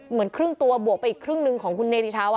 เหมือนครึ่งตัวบวกไปอีกครึ่งหนึ่งของคุณเนติชาว